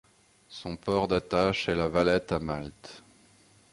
Son port d'attache est La Valette à Malte.